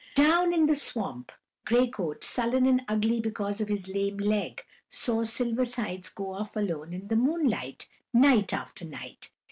Down in the swamp Gray Coat, sullen and ugly because of his lame leg, saw Silver Sides go off alone in the moonlight, night after night.